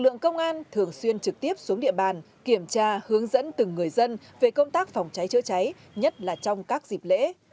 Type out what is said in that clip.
lực lượng công an thường xuyên trực tiếp xuống địa bàn kiểm tra hướng dẫn từng người dân về công tác phòng cháy chữa cháy nhất là trong các dịp lễ